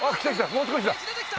もう少しだ。